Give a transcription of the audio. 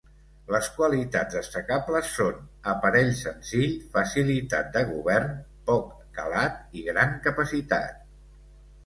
Les qualitats destacables són: aparell senzill, facilitat de govern, poc calat i gran capacitat.